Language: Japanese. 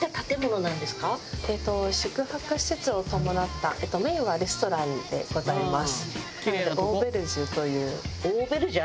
宿泊施設を伴ったメインはレストランでございます。